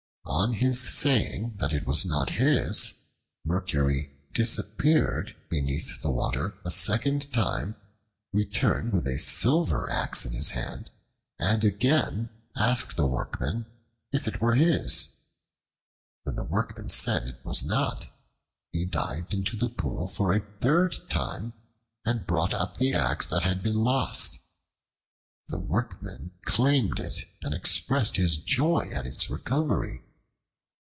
On his saying that it was not his, Mercury disappeared beneath the water a second time, returned with a silver axe in his hand, and again asked the Workman if it were his. When the Workman said it was not, he dived into the pool for the third time and brought up the axe that had been lost. The Workman claimed it and expressed his joy at its recovery.